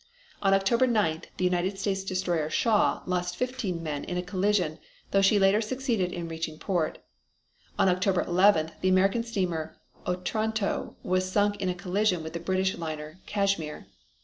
On October 9th the United States destroyer Shaw lost fifteen men in a collision, though she later succeeded in reaching port. On October 11th the American steamer Otranto was sunk in a collision with the British liner Cashmere.